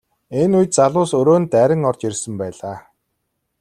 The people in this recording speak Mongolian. Энэ үед залуус өрөөнд дайран орж ирсэн байлаа.